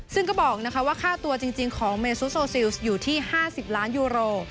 ซึ่งก็บอกว่าค่าตัวจริงของเมซุโซซิลส์อยู่ที่๕๐ล้านยูโร